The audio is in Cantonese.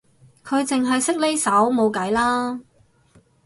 佢淨係識呢首冇計啦